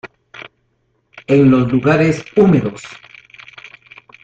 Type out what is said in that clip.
En los lugares húmedos.